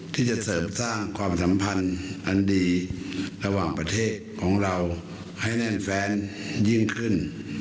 ที่จะเสริมสร้างความสัมพันธ์อันดีระหว่างประเทศของเราให้แน่นแฟนยิ่งขึ้น